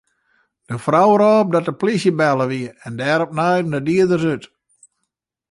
De frou rôp dat de plysje belle wie en dêrop naaiden de dieders út.